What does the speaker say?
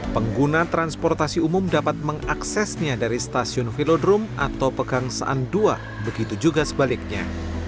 pengguna transportasi umum dapat mengaksesnya dari stasiun velodrome atau pegangsaan dua begitu juga sebaliknya